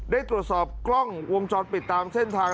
ได้ตรวจสอบกล้องวงจรปิดตามเส้นทาง